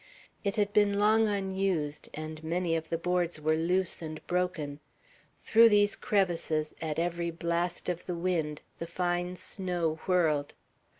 It had been long unused, and many of the boards were loose and broken. Through these crevices, at every blast of the wind, the fine snow swirled.